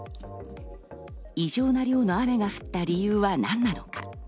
異常な量の雨が降った理由は何なのか？